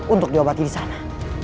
untuk diobati disana